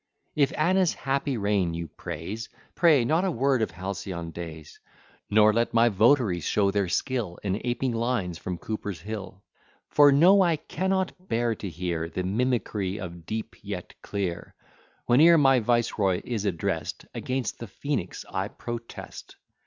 If Anna's happy reign you praise, Pray, not a word of halcyon days: Nor let my votaries show their skill In aping lines from Cooper's Hill; For know I cannot bear to hear The mimicry of "deep, yet clear." Whene'er my viceroy is address'd, Against the phoenix I protest.